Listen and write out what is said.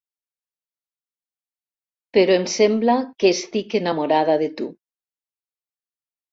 Però em sembla que estic enamorada de tu.